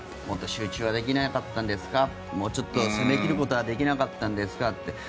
もっと集中できなかったんですかもうちょっと攻め切ることはできなかったんですかって。